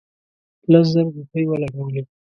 لس زره روپۍ ولګولې.